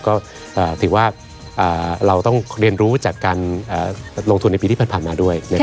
ก็ถือว่าเราต้องเรียนรู้จากการลงทุนในปีที่ผ่านมาด้วย